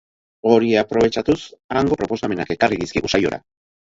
Hori aprobetxatuz, hango proposamenak ekarri dizkigu saiora.